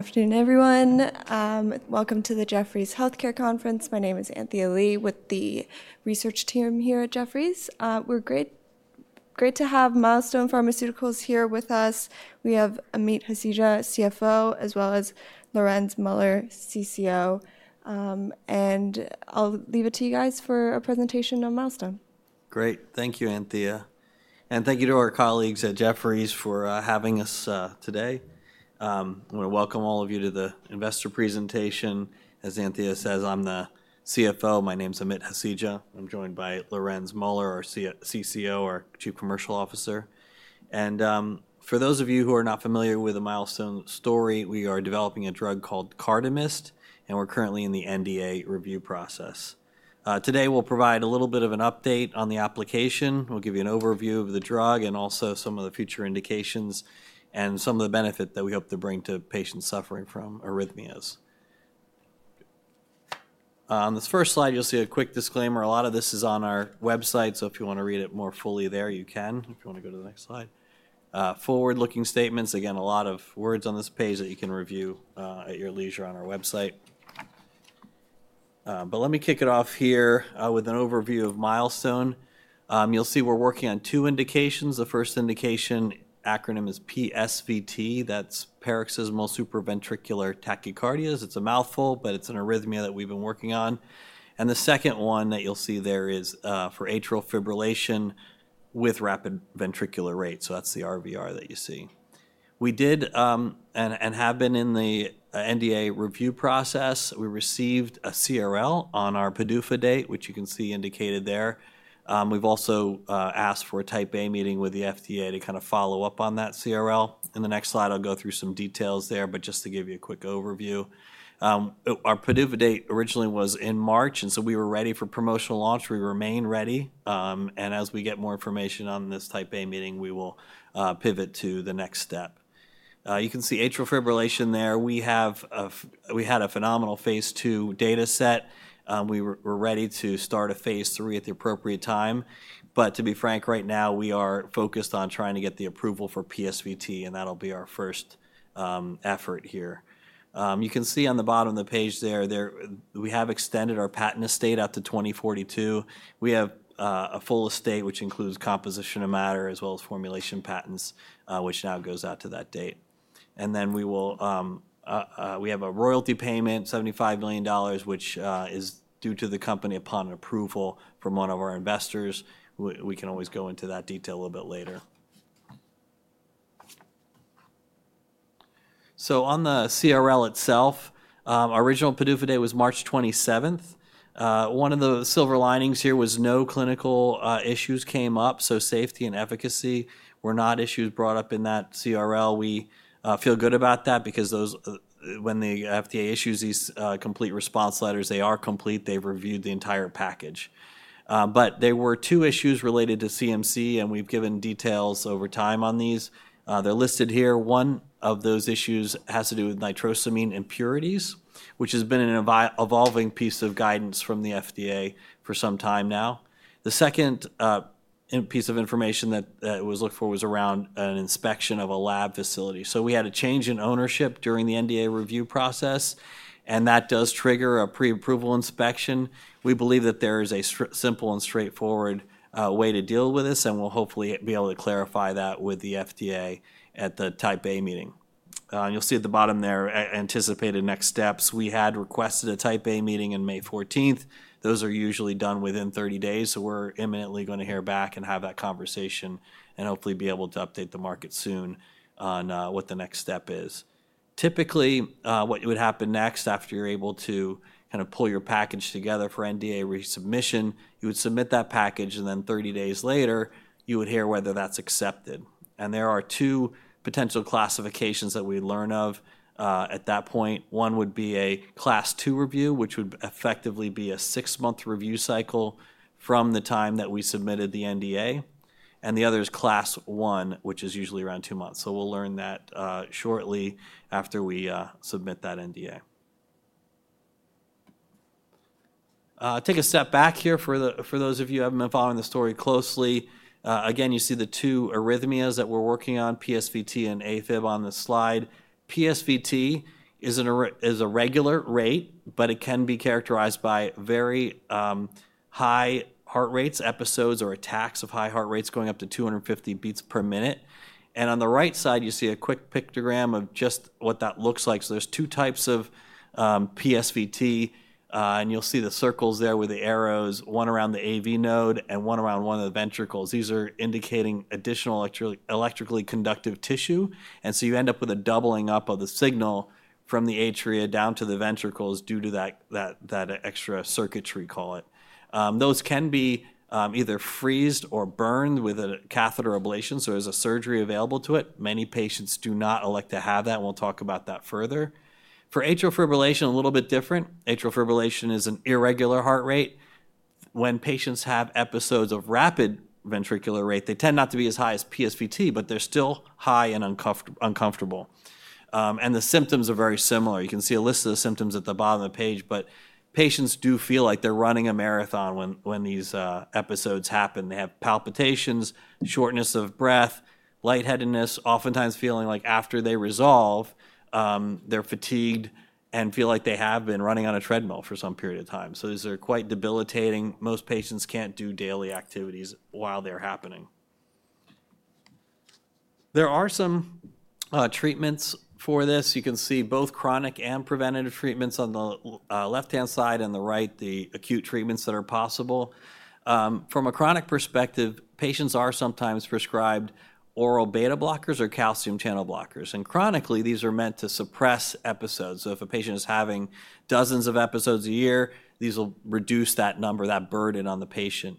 Afternoon, everyone. Welcome to the Jefferies Healthcare Conference. My name is Anthea Li with the research team here at Jefferies. We're great to have Milestone Pharmaceuticals here with us. We have Amit Hasija, CFO, as well as Lorenz Muller, CCO. I'll leave it to you guys for a presentation on Milestone. Great. Thank you, Anthea. Thank you to our colleagues at Jefferies for having us today. I want to welcome all of you to the investor presentation. As Anthea says, I'm the CFO. My name's Amit Hasija. I'm joined by Lorenz Muller, our CCO, our Chief Commercial Officer. For those of you who are not familiar with the Milestone story, we are developing a drug called CARDAMYST, and we're currently in the NDA review process. Today, we'll provide a little bit of an update on the application. We'll give you an overview of the drug and also some of the future indications and some of the benefit that we hope to bring to patients suffering from arrhythmias. On this first slide, you'll see a quick disclaimer. A lot of this is on our website, so if you want to read it more fully there, you can. If you want to go to the next slide. Forward-looking statements. Again, a lot of words on this page that you can review at your leisure on our website. But let me kick it off here with an overview of Milestone. You'll see we're working on two indications. The first indication acronym is PSVT. That's Paroxysmal Supraventricular Tachycardia. It's a mouthful, but it's an arrhythmia that we've been working on. The second one that you'll see there is for atrial fibrillation with rapid ventricular rate. That's the RVR that you see. We did and have been in the NDA review process. We received a CRL on our PDUFA date, which you can see indicated there. We've also asked for a Type A meeting with the FDA to kind of follow up on that CRL. In the next slide, I'll go through some details there, but just to give you a quick overview. Our PDUFA date originally was in March, and we were ready for promotional launch. We remain ready. As we get more information on this Type A meeting, we will pivot to the next step. You can see atrial fibrillation there. We had a phenomenal phase two data set. We were ready to start a phase three at the appropriate time. To be frank, right now, we are focused on trying to get the approval for PSVT, and that'll be our first effort here. You can see on the bottom of the page there, we have extended our patent estate out to 2042. We have a full estate, which includes composition of matter as well as formulation patents, which now goes out to that date. We have a royalty payment, $75 million, which is due to the company upon approval from one of our investors. We can always go into that detail a little bit later. On the CRL itself, our original PDUFA date was March 27th. One of the silver linings here was no clinical issues came up. Safety and efficacy were not issues brought up in that CRL. We feel good about that because when the FDA issues these complete response letters, they are complete. They have reviewed the entire package. There were two issues related to CMC, and we have given details over time on these. They are listed here. One of those issues has to do with nitrosamine impurities, which has been an evolving piece of guidance from the FDA for some time now. The second piece of information that was looked for was around an inspection of a lab facility. We had a change in ownership during the NDA review process, and that does trigger a pre-approval inspection. We believe that there is a simple and straightforward way to deal with this, and we will hopefully be able to clarify that with the FDA at the Type A meeting. You will see at the bottom there, anticipated next steps. We had requested a Type A meeting on May 14th. Those are usually done within 30 days. We are imminently going to hear back and have that conversation and hopefully be able to update the market soon on what the next step is. Typically, what would happen next after you're able to kind of pull your package together for NDA resubmission, you would submit that package, and then 30 days later, you would hear whether that's accepted. There are two potential classifications that we'd learn of at that point. One would be a class two review, which would effectively be a six-month review cycle from the time that we submitted the NDA. The other is class one, which is usually around two months. We'll learn that shortly after we submit that NDA. I'll take a step back here for those of you who have been following the story closely. Again, you see the two arrhythmias that we're working on, PSVT and AFib, on this slide. PSVT is a regular rate, but it can be characterized by very high heart rates, episodes or attacks of high heart rates going up to 250 beats per minute. On the right side, you see a quick pictogram of just what that looks like. There are two types of PSVT, and you'll see the circles there with the arrows, one around the AV node and one around one of the ventricles. These are indicating additional electrically conductive tissue. You end up with a doubling up of the signal from the atria down to the ventricles due to that extra circuitry, call it. Those can be either freezed or burned with a catheter ablation. There is a surgery available to it. Many patients do not elect to have that, and we'll talk about that further. For atrial fibrillation, a little bit different. Atrial fibrillation is an irregular heart rate. When patients have episodes of rapid ventricular rate, they tend not to be as high as PSVT, but they're still high and uncomfortable. The symptoms are very similar. You can see a list of the symptoms at the bottom of the page, but patients do feel like they're running a marathon when these episodes happen. They have palpitations, shortness of breath, lightheadedness, oftentimes feeling like after they resolve, they're fatigued and feel like they have been running on a treadmill for some period of time. These are quite debilitating. Most patients can't do daily activities while they're happening. There are some treatments for this. You can see both chronic and preventative treatments on the left-hand side and the right, the acute treatments that are possible. From a chronic perspective, patients are sometimes prescribed oral beta-blockers or calcium channel blockers. Chronically, these are meant to suppress episodes. If a patient is having dozens of episodes a year, these will reduce that number, that burden on the patient.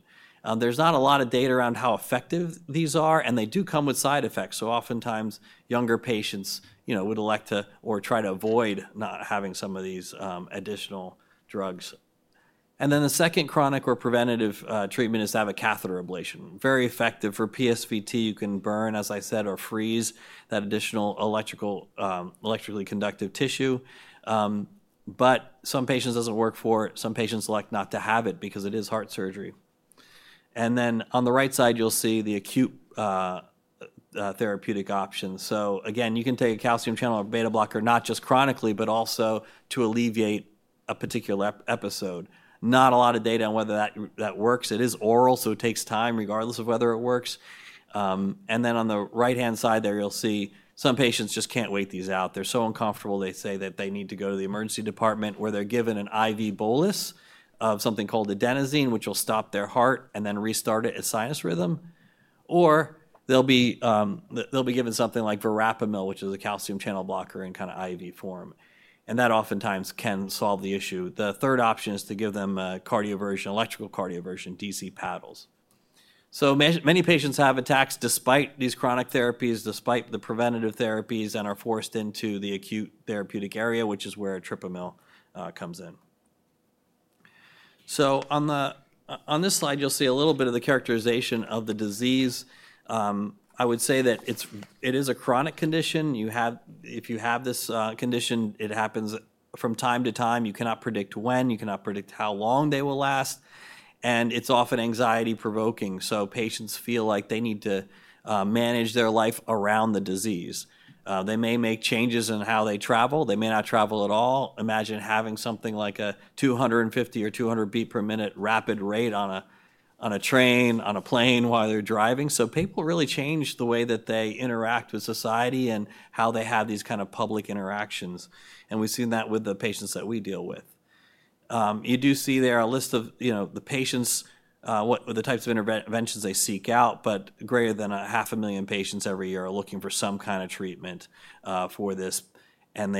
There is not a lot of data around how effective these are, and they do come with side effects. Oftentimes, younger patients would elect to or try to avoid not having some of these additional drugs. The second chronic or preventative treatment is to have a catheter ablation. Very effective for PSVT. You can burn, as I said, or freeze that additional electrically conductive tissue. Some patients it does not work for. Some patients elect not to have it because it is heart surgery. On the right side, you will see the acute therapeutic options. You can take a calcium channel or beta-blocker, not just chronically, but also to alleviate a particular episode. Not a lot of data on whether that works. It is oral, so it takes time regardless of whether it works. On the right-hand side there, you'll see some patients just can't wait these out. They're so uncomfortable, they say that they need to go to the emergency department where they're given an IV bolus of something called adenosine, which will stop their heart and then restart it at sinus rhythm. Or they'll be given something like verapamil, which is a calcium channel blocker in kind of IV form. That oftentimes can solve the issue. The third option is to give them cardioversion, electrical cardioversion, DC paddles. Many patients have attacks despite these chronic therapies, despite the preventative therapies, and are forced into the acute therapeutic area, which is where etripamil comes in. On this slide, you'll see a little bit of the characterization of the disease. I would say that it is a chronic condition. If you have this condition, it happens from time to time. You cannot predict when. You cannot predict how long they will last. It's often anxiety-provoking. Patients feel like they need to manage their life around the disease. They may make changes in how they travel. They may not travel at all. Imagine having something like a 250 or 200 beat per minute rapid rate on a train, on a plane, while they're driving. People really change the way that they interact with society and how they have these kind of public interactions. We've seen that with the patients that we deal with. You do see there a list of the patients, the types of interventions they seek out, but greater than 500,000 patients every year are looking for some kind of treatment for this. And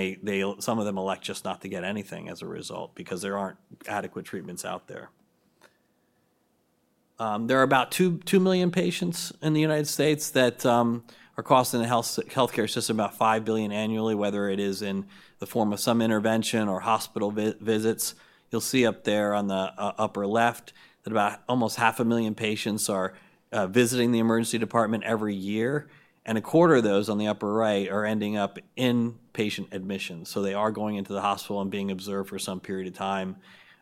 some of them elect just not to get anything as a result because there are not adequate treatments out there. There are about 2 million patients in the United States that are costing the healthcare system about $5 billion annually, whether it is in the form of some intervention or hospital visits. You will see up there on the upper left that about almost 500,000 patients are visiting the emergency department every year. And 1/4 of those on the upper right are ending up in patient admissions. So they are going into the hospital and being observed for some period of time.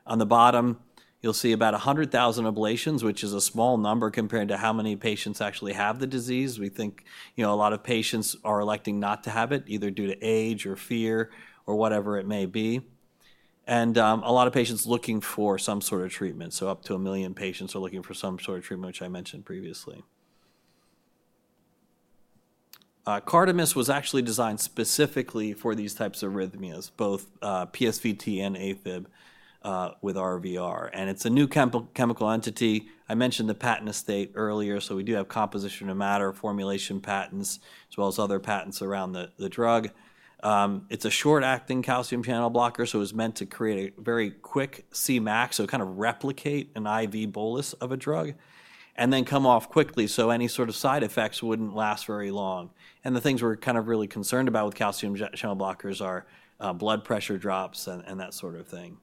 On the bottom, you'll see about 100,000 ablations, which is a small number compared to how many patients actually have the disease. We think a lot of patients are electing not to have it, either due to age or fear or whatever it may be. A lot of patients are looking for some sort of treatment. Up to 1 million patients are looking for some sort of treatment, which I mentioned previously. CARDAMYST was actually designed specifically for these types of arrhythmias, both PSVT and AFib with RVR. It's a new chemical entity. I mentioned the patent estate earlier. We do have composition of matter formulation patents, as well as other patents around the drug. It's a short-acting calcium channel blocker. It was meant to create a very quick Cmax, so kind of replicate an IV bolus of a drug, and then come off quickly so any sort of side effects would not last very long. The things we are kind of really concerned about with calcium channel blockers are blood pressure drops and that sort of thing.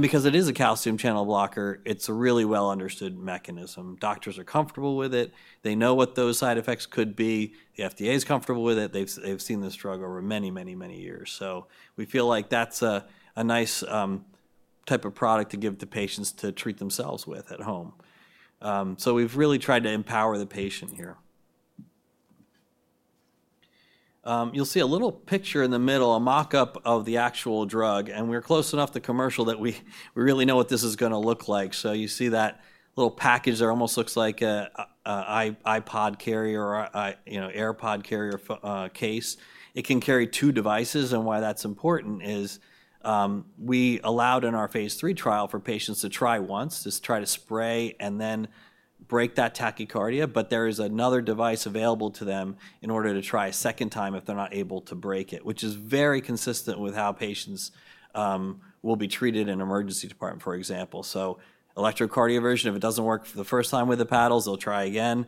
Because it is a calcium channel blocker, it is a really well-understood mechanism. Doctors are comfortable with it. They know what those side effects could be. The FDA is comfortable with it. They have seen this drug over many, many, many years. We feel like that is a nice type of product to give to patients to treat themselves with at home. We have really tried to empower the patient here. You will see a little picture in the middle, a mockup of the actual drug. We're close enough to commercial that we really know what this is going to look like. You see that little package there almost looks like an iPod carrier or AirPod carrier case. It can carry two devices. Why that's important is we allowed in our phase three trial for patients to try once, just try to spray and then break that tachycardia. There is another device available to them in order to try a second time if they're not able to break it, which is very consistent with how patients will be treated in an emergency department, for example. Electrocardioversion, if it does not work for the first time with the paddles, they'll try again.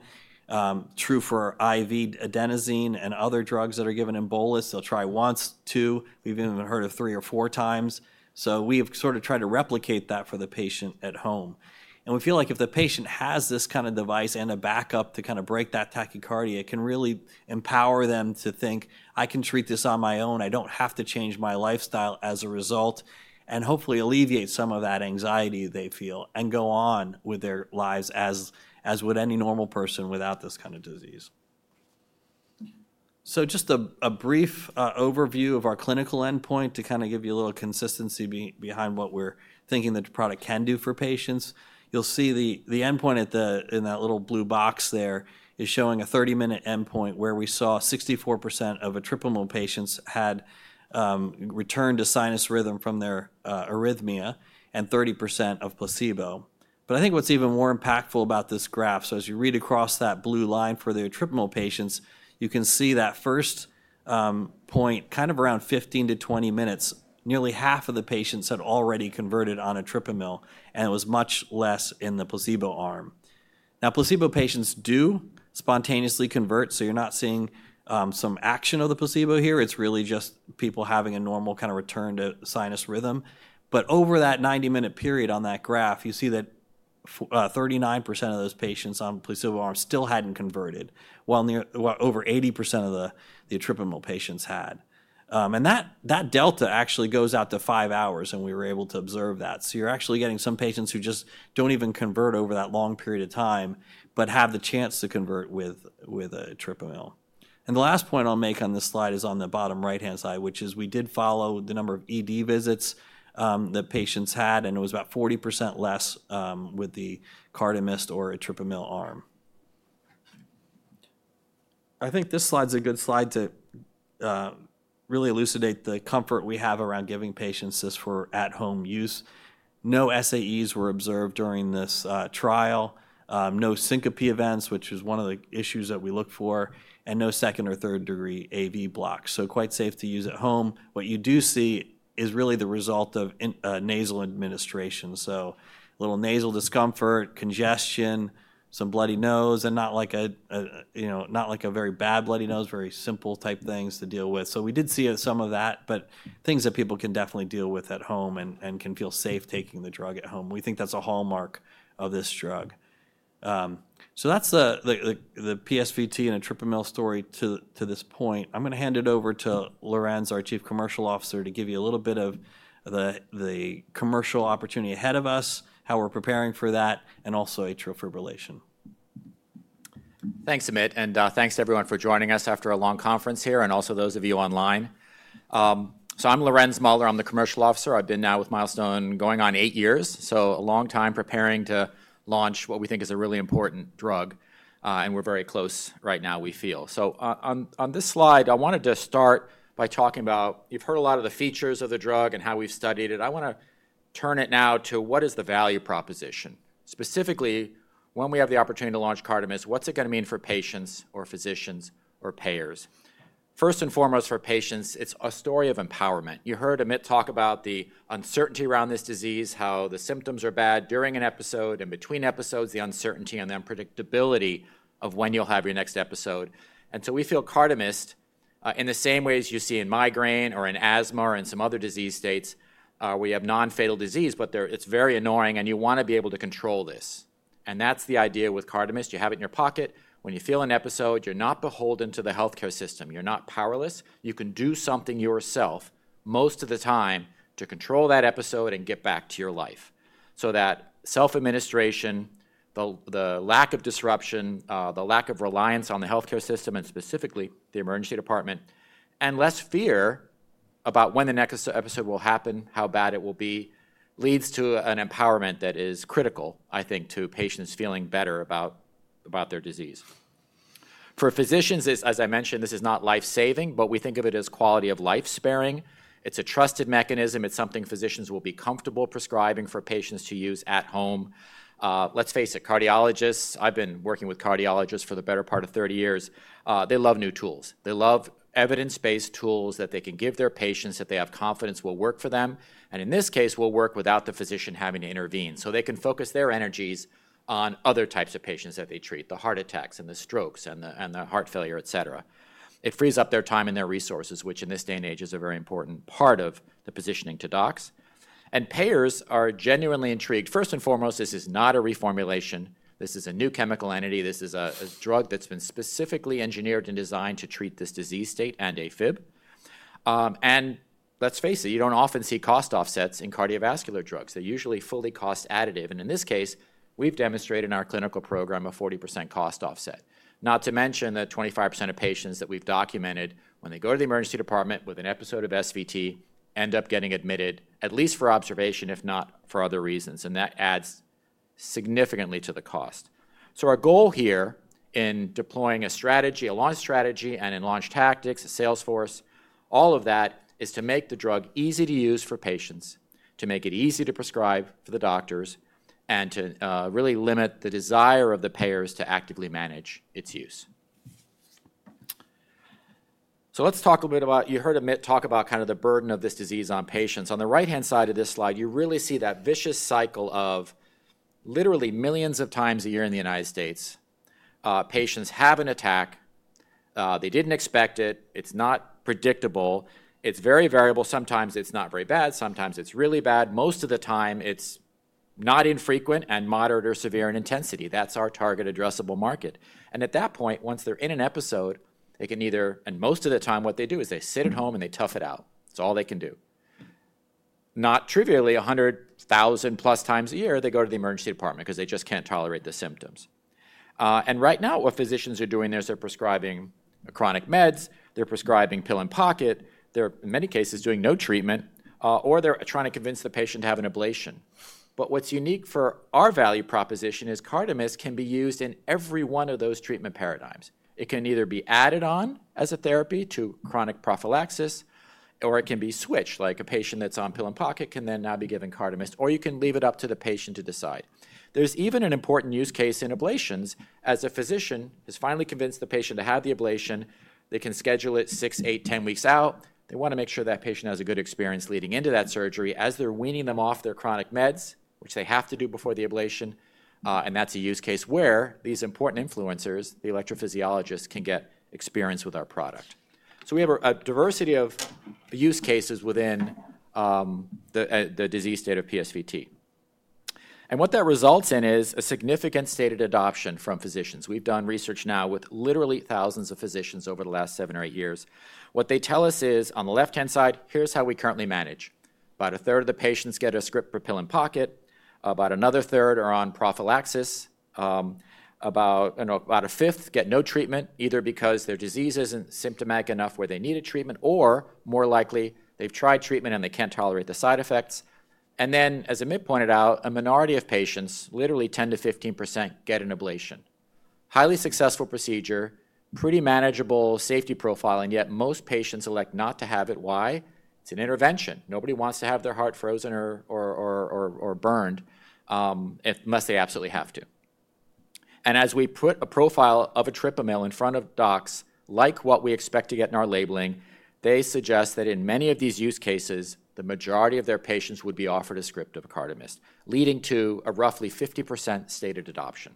True for IV adenosine and other drugs that are given in bolus, they'll try once, two. We've even heard of three or four times. We have sort of tried to replicate that for the patient at home. We feel like if the patient has this kind of device and a backup to kind of break that tachycardia, it can really empower them to think, "I can treat this on my own. I do not have to change my lifestyle as a result," and hopefully alleviate some of that anxiety they feel and go on with their lives as would any normal person without this kind of disease. Just a brief overview of our clinical endpoint to kind of give you a little consistency behind what we are thinking the product can do for patients. You will see the endpoint in that little blue box there is showing a 30-minute endpoint where we saw 64% of etripamil patients had returned to sinus rhythm from their arrhythmia and 30% of placebo. I think what's even more impactful about this graph, as you read across that blue line for the etripamil patients, you can see that first point kind of around 15-20 minutes, nearly half of the patients had already converted on etripamil, and it was much less in the placebo arm. Now, placebo patients do spontaneously convert. You're not seeing some action of the placebo here. It's really just people having a normal kind of return to sinus rhythm. Over that 90-minute period on that graph, you see that 39% of those patients on the placebo arm still hadn't converted, while over 80% of the etripamil patients had. That delta actually goes out to five hours, and we were able to observe that. You're actually getting some patients who just don't even convert over that long period of time but have the chance to convert with etripamil. The last point I'll make on this slide is on the bottom right-hand side, which is we did follow the number of ED visits that patients had, and it was about 40% less with the CARDAMYST or etripamil arm. I think this slide's a good slide to really elucidate the comfort we have around giving patients this for at-home use. No SAEs were observed during this trial, no syncope events, which was one of the issues that we looked for, and no second or third-degree AV block. Quite safe to use at home. What you do see is really the result of nasal administration. A little nasal discomfort, congestion, some bloody nose, and not like a very bad bloody nose, very simple type things to deal with. We did see some of that, but things that people can definitely deal with at home and can feel safe taking the drug at home. We think that's a hallmark of this drug. That's the PSVT and etripamil story to this point. I'm going to hand it over to Lorenz, our Chief Commercial Officer, to give you a little bit of the commercial opportunity ahead of us, how we're preparing for that, and also atrial fibrillation. Thanks, Amit. Thanks to everyone for joining us after a long conference here and also those of you online. I'm Lorenz Muller. I'm the Chief Commercial Officer. I've been now with Milestone going on eight years. A long time preparing to launch what we think is a really important drug. We are very close right now, we feel. On this slide, I wanted to start by talking about you have heard a lot of the features of the drug and how we have studied it. I want to turn it now to what is the value proposition. Specifically, when we have the opportunity to launch CARDAMYST, what is it going to mean for patients or physicians or payers. First and foremost, for patients, it is a story of empowerment. You heard Amit talk about the uncertainty around this disease, how the symptoms are bad during an episode, in between episodes, the uncertainty and the unpredictability of when you will have your next episode. We feel CARDAMYST, in the same ways you see in migraine or in asthma or in some other disease states, we have non-fatal disease, but it's very annoying, and you want to be able to control this. That's the idea with CARDAMYST. You have it in your pocket. When you feel an episode, you're not beholden to the healthcare system. You're not powerless. You can do something yourself most of the time to control that episode and get back to your life. That self-administration, the lack of disruption, the lack of reliance on the healthcare system, and specifically the emergency department, and less fear about when the next episode will happen, how bad it will be, leads to an empowerment that is critical, I think, to patients feeling better about their disease. For physicians, as I mentioned, this is not life-saving, but we think of it as quality of life sparing. It is a trusted mechanism. It is something physicians will be comfortable prescribing for patients to use at home. Let's face it, cardiologists—I have been working with cardiologists for the better part of 30 years—they love new tools. They love evidence-based tools that they can give their patients that they have confidence will work for them. In this case, it will work without the physician having to intervene. They can focus their energies on other types of patients that they treat: the heart attacks and the strokes and the heart failure, et cetera. It frees up their time and their resources, which in this day and age is a very important part of the positioning to docs. Payers are genuinely intrigued. First and foremost, this is not a reformulation. This is a new chemical entity. This is a drug that's been specifically engineered and designed to treat this disease state and AFib. Let's face it, you don't often see cost offsets in cardiovascular drugs. They're usually fully cost additive. In this case, we've demonstrated in our clinical program a 40% cost offset. Not to mention that 25% of patients that we've documented, when they go to the emergency department with an episode of SVT, end up getting admitted, at least for observation, if not for other reasons. That adds significantly to the cost. Our goal here in deploying a strategy, a launch strategy, and in launch tactics, a sales force, all of that is to make the drug easy to use for patients, to make it easy to prescribe for the doctors, and to really limit the desire of the payers to actively manage its use. Let's talk a little bit about--you heard Amit talk about kind of the burden of this disease on patients. On the right-hand side of this slide, you really see that vicious cycle of literally millions of times a year in the United States. Patients have an attack. They did not expect it. It is not predictable. It is very variable. Sometimes it is not very bad. Sometimes it is really bad. Most of the time, it is not infrequent and moderate or severe in intensity. That is our target addressable market. At that point, once they're in an episode, they can either—and most of the time, what they do is they sit at home and they tough it out. It's all they can do. Not trivially, 100,000-plus times a year, they go to the emergency department because they just can't tolerate the symptoms. Right now, what physicians are doing is they're prescribing chronic meds. They're prescribing pill-in-pocket. They're, in many cases, doing no treatment, or they're trying to convince the patient to have an ablation. What's unique for our value proposition is CARDAMYST can be used in every one of those treatment paradigms. It can either be added on as a therapy to chronic prophylaxis, or it can be switched. Like a patient that's on pill-in-pocket can then now be given CARDAMYST, or you can leave it up to the patient to decide. There's even an important use case in ablations. As a physician has finally convinced the patient to have the ablation, they can schedule it six, eight, 10 weeks out. They want to make sure that patient has a good experience leading into that surgery as they're weaning them off their chronic meds, which they have to do before the ablation. That's a use case where these important influencers, the electrophysiologists, can get experience with our product. We have a diversity of use cases within the disease state of PSVT. What that results in is a significant stated adoption from physicians. We've done research now with literally thousands of physicians over the last seven or eight years. What they tell us is, on the left-hand side, here's how we currently manage. About 1/3 of the patients get a script for pill-in-pocket. About another 1/3 are on prophylaxis. About 1/5 get no treatment, either because their disease isn't symptomatic enough where they needed treatment, or more likely, they've tried treatment and they can't tolerate the side effects. As Amit pointed out, a minority of patients, literally 10%-15%, get an ablation. Highly successful procedure, pretty manageable safety profile, yet most patients elect not to have it. Why? It's an intervention. Nobody wants to have their heart frozen or burned, unless they absolutely have to. As we put a profile of etripamil in front of docs, like what we expect to get in our labeling, they suggest that in many of these use cases, the majority of their patients would be offered a script of CARDAMYST, leading to a roughly 50% stated adoption.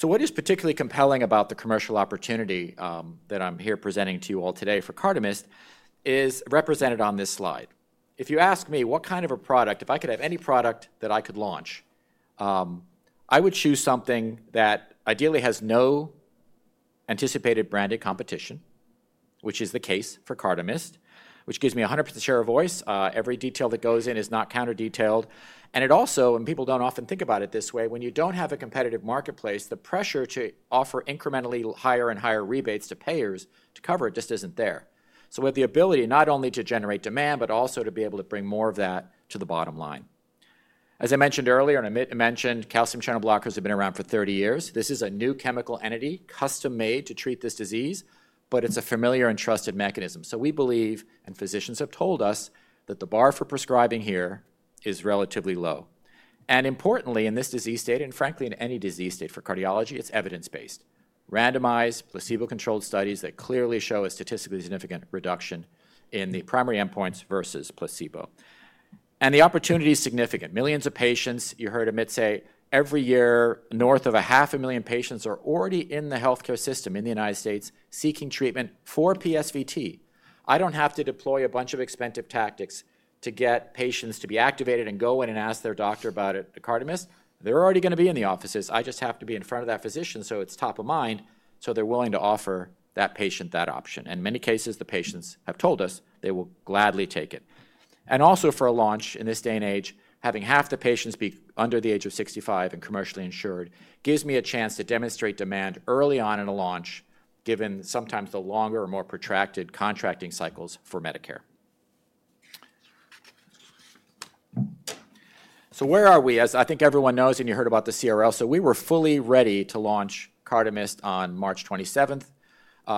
What is particularly compelling about the commercial opportunity that I'm here presenting to you all today for CARDAMYST is represented on this slide. If you ask me what kind of a product, if I could have any product that I could launch, I would choose something that ideally has no anticipated branded competition, which is the case for CARDAMYST, which gives me a 100% share of voice. Every detail that goes in is not counter-detailed. It also, and people do not often think about it this way, when you do not have a competitive marketplace, the pressure to offer incrementally higher and higher rebates to payers to cover it just is not there. We have the ability not only to generate demand, but also to be able to bring more of that to the bottom line. As I mentioned earlier, and Amit mentioned, calcium channel blockers have been around for 30 years. This is a new chemical entity, custom-made to treat this disease, but it's a familiar and trusted mechanism. We believe, and physicians have told us, that the bar for prescribing here is relatively low. Importantly, in this disease state, and frankly, in any disease state for cardiology, it's evidence-based. Randomized placebo-controlled studies that clearly show a statistically significant reduction in the primary endpoints versus placebo. The opportunity is significant. Millions of patients, you heard Amit say, every year, north of 500,000 patients are already in the healthcare system in the United States seeking treatment for PSVT. I don't have to deploy a bunch of expensive tactics to get patients to be activated and go in and ask their doctor about CARDAMYST. They're already going to be in the offices. I just have to be in front of that physician so it's top of mind, so they're willing to offer that patient that option. In many cases, the patients have told us they will gladly take it. Also, for a launch in this day and age, having half the patients be under the age of 65 and commercially insured gives me a chance to demonstrate demand early on in a launch, given sometimes the longer or more protracted contracting cycles for Medicare. Where are we? As I think everyone knows, and you heard about the CRL, we were fully ready to launch CARDAMYST on March 27th.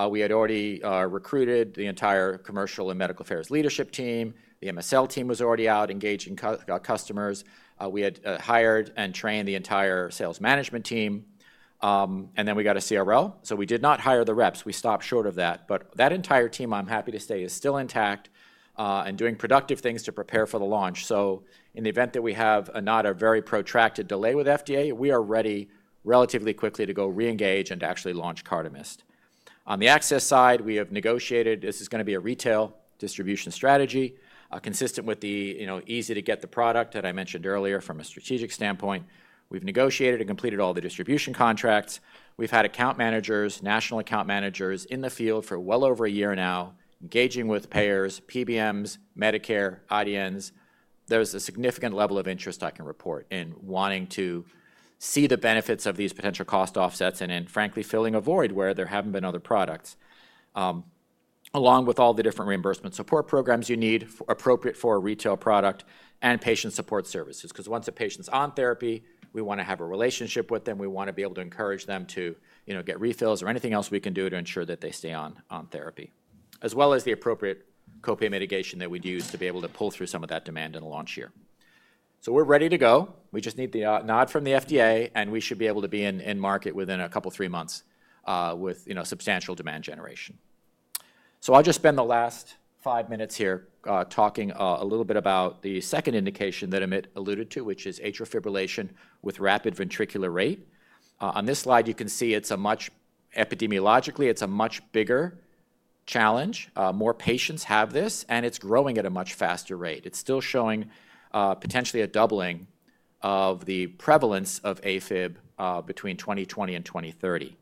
We had already recruited the entire commercial and medical affairs leadership team. The MSL team was already out engaging customers. We had hired and trained the entire sales management team. We got a CRL. We did not hire the reps. We stopped short of that. That entire team, I am happy to say, is still intact and doing productive things to prepare for the launch. In the event that we have not a very protracted delay with FDA, we are ready relatively quickly to go re-engage and actually launch CARDAMYST. On the access side, we have negotiated. This is going to be a retail distribution strategy, consistent with the easy-to-get-the-product that I mentioned earlier from a strategic standpoint. We have negotiated and completed all the distribution contracts. We have had account managers, national account managers in the field for well over a year now, engaging with payers, PBMs, Medicare, IDNs. There's a significant level of interest I can report in wanting to see the benefits of these potential cost offsets and in, frankly, filling a void where there have not been other products, along with all the different reimbursement support programs you need appropriate for a retail product and patient support services. Because once a patient's on therapy, we want to have a relationship with them. We want to be able to encourage them to get refills or anything else we can do to ensure that they stay on therapy, as well as the appropriate copay mitigation that we'd use to be able to pull through some of that demand in a launch year. We are ready to go. We just need the nod from the FDA, and we should be able to be in market within a couple of three months with substantial demand generation. I'll just spend the last five minutes here talking a little bit about the second indication that Amit alluded to, which is atrial fibrillation with rapid ventricular rate. On this slide, you can see it's a much epidemiologically, it's a much bigger challenge. More patients have this, and it's growing at a much faster rate. It's still showing potentially a doubling of the prevalence of AFib between 2020 and 2030.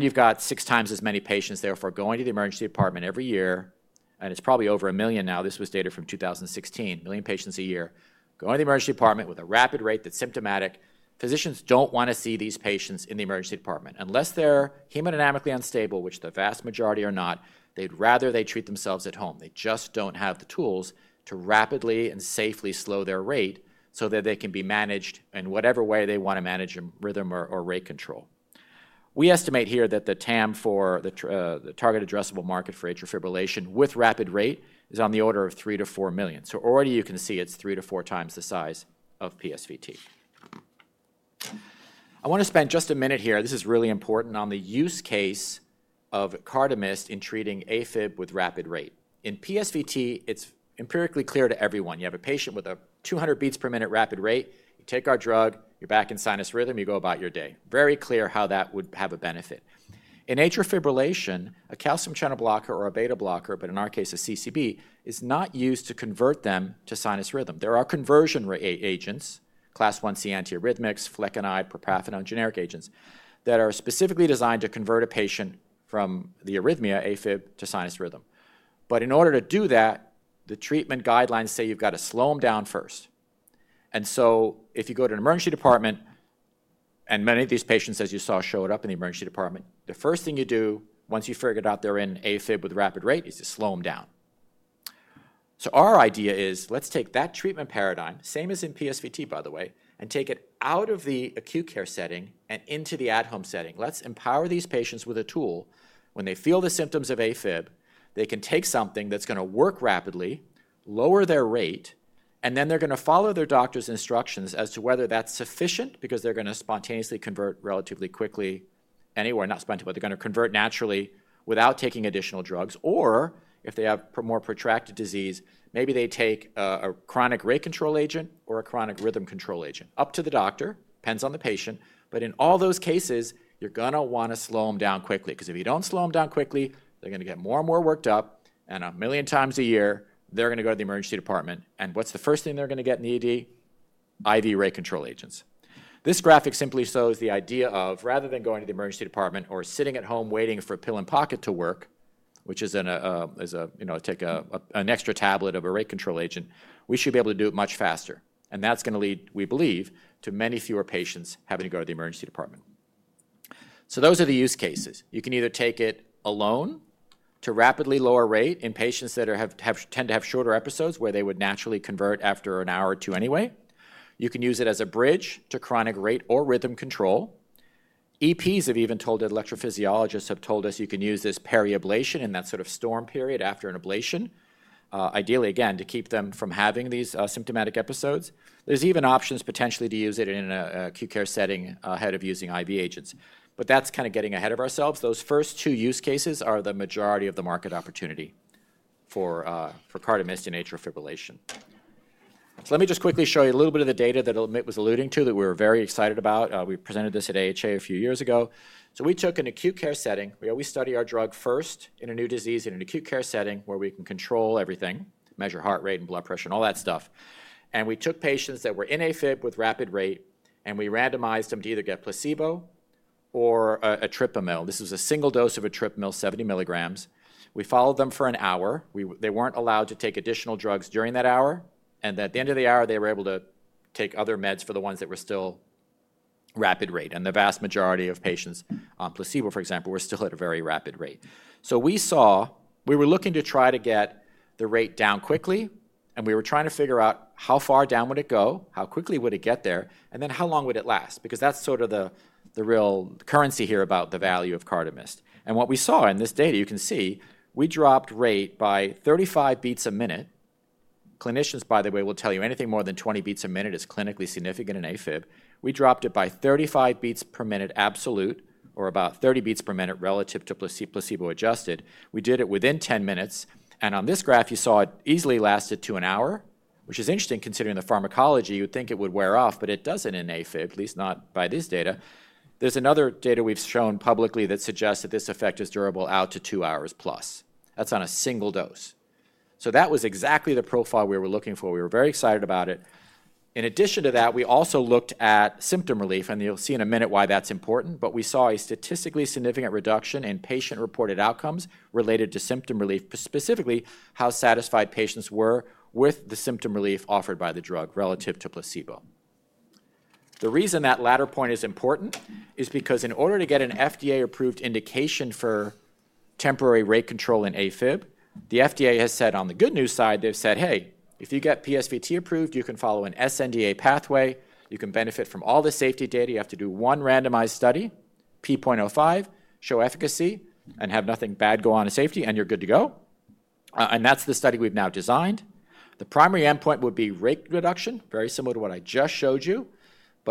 You've got six times as many patients therefore going to the emergency department every year. It's probably over 1 million now. This was data from 2016, 1 million patients a year going to the emergency department with a rapid rate that's symptomatic. Physicians do not want to see these patients in the emergency department unless they're hemodynamically unstable, which the vast majority are not. They'd rather they treat themselves at home. They just do not have the tools to rapidly and safely slow their rate so that they can be managed in whatever way they want to manage rhythm or rate control. We estimate here that the TAM for the target addressable market for atrial fibrillation with rapid rate is on the order of 3 million-4 million. Already you can see it is 3-4 times the size of PSVT. I want to spend just a minute here. This is really important on the use case of CARDAMYST in treating AFib with rapid rate. In PSVT, it is empirically clear to everyone. You have a patient with a 200 beats per minute rapid rate. You take our drug. You are back in sinus rhythm. You go about your day. Very clear how that would have a benefit. In atrial fibrillation, a calcium channel blocker or a beta blocker, but in our case, a CCB, is not used to convert them to sinus rhythm. There are conversion rate agents, class 1C antiarrhythmics, flecainide, propafenone, generic agents that are specifically designed to convert a patient from the arrhythmia, AFib, to sinus rhythm. In order to do that, the treatment guidelines say you've got to slow them down first. If you go to an emergency department, and many of these patients, as you saw, showed up in the emergency department, the first thing you do, once you figured out they're in AFib with rapid rate, is to slow them down. Our idea is, let's take that treatment paradigm, same as in PSVT, by the way, and take it out of the acute care setting and into the at-home setting. Let's empower these patients with a tool. When they feel the symptoms of AFib, they can take something that's going to work rapidly, lower their rate, and then they're going to follow their doctor's instructions as to whether that's sufficient because they're going to spontaneously convert relatively quickly anywhere. Not spontaneously, but they're going to convert naturally without taking additional drugs. Or if they have more protracted disease, maybe they take a chronic rate control agent or a chronic rhythm control agent. Up to the doctor. Depends on the patient. In all those cases, you're going to want to slow them down quickly. Because if you don't slow them down quickly, they're going to get more and more worked up. A million times a year, they're going to go to the emergency department. What's the first thing they're going to get in the ED? IV rate control agents. This graphic simply shows the idea of, rather than going to the emergency department or sitting at home waiting for pill-in-pocket to work, which is to take an extra tablet of a rate control agent, we should be able to do it much faster. That is going to lead, we believe, to many fewer patients having to go to the emergency department. Those are the use cases. You can either take it alone to rapidly lower rate in patients that tend to have shorter episodes where they would naturally convert after an hour or two anyway. You can use it as a bridge to chronic rate or rhythm control. EPs have even told us, electrophysiologists have told us you can use this peri-ablation in that sort of storm period after an ablation, ideally, again, to keep them from having these symptomatic episodes. There's even options potentially to use it in an acute care setting ahead of using IV agents. That's kind of getting ahead of ourselves. Those first two use cases are the majority of the market opportunity for CARDAMYST in atrial fibrillation. Let me just quickly show you a little bit of the data that Amit was alluding to that we were very excited about. We presented this at AHA a few years ago. We took an acute care setting. We always study our drug first in a new disease in an acute care setting where we can control everything, measure heart rate and blood pressure and all that stuff. We took patients that were in AFib with rapid rate, and we randomized them to either get placebo or etripamil. This was a single dose of etripamil, 70 mg. We followed them for an hour. They weren't allowed to take additional drugs during that hour. At the end of the hour, they were able to take other meds for the ones that were still rapid rate. The vast majority of patients on placebo, for example, were still at a very rapid rate. We saw we were looking to try to get the rate down quickly, and we were trying to figure out how far down would it go, how quickly would it get there, and then how long would it last. That is sort of the real currency here about the value of CARDAMYST. What we saw in this data, you can see we dropped rate by 35 beats a minute. Clinicians, by the way, will tell you anything more than 20 beats a minute is clinically significant in AFib. We dropped it by 35 beats per minute absolute, or about 30 beats per minute relative to placebo adjusted. We did it within 10 minutes. On this graph, you saw it easily lasted to an hour, which is interesting considering the pharmacology. You would think it would wear off, but it does not in AFib, at least not by this data. There is another data we have shown publicly that suggests that this effect is durable out to two hours plus. That is on a single dose. That was exactly the profile we were looking for. We were very excited about it. In addition to that, we also looked at symptom relief. You will see in a minute why that is important. We saw a statistically significant reduction in patient-reported outcomes related to symptom relief, specifically how satisfied patients were with the symptom relief offered by the drug relative to placebo. The reason that latter point is important is because in order to get an FDA-approved indication for temporary rate control in AFib, the FDA has said on the good news side, they've said, "Hey, if you get PSVT approved, you can follow an sNDA pathway. You can benefit from all the safety data. You have to do one randomized study, p<0.05, show efficacy, and have nothing bad go on in safety, and you're good to go." That is the study we've now designed. The primary endpoint would be rate reduction, very similar to what I just showed you.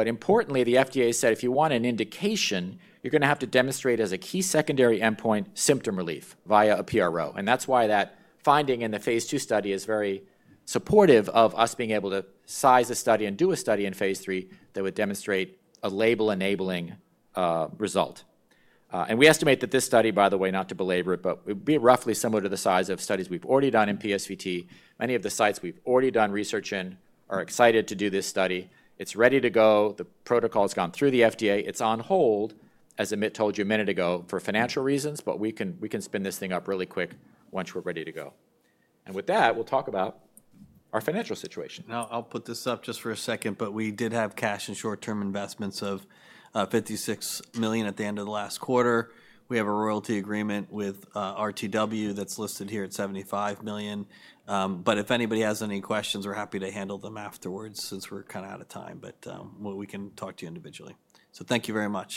Importantly, the FDA said if you want an indication, you're going to have to demonstrate as a key secondary endpoint symptom relief via a PRO. That finding in the phase two study is very supportive of us being able to size a study and do a study in phase three that would demonstrate a label-enabling result. We estimate that this study, by the way, not to belabor it, but it would be roughly similar to the size of studies we have already done in PSVT. Many of the sites we have already done research in are excited to do this study. It is ready to go. The protocol has gone through the FDA. It is on hold, as Amit told you a minute ago, for financial reasons, but we can spin this thing up really quick once we are ready to go. With that, we will talk about our financial situation. Now, I'll put this up just for a second, but we did have cash and short-term investments of $56 million at the end of the last quarter. We have a royalty agreement with RTW that's listed here at $75 million. If anybody has any questions, we're happy to handle them afterwards since we're kind of out of time. We can talk to you individually. Thank you very much.